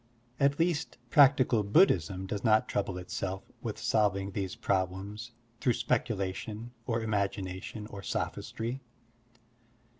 At least, practical Buddhism does not trouble itself with solving these problems through speculation or imagination or sophistry.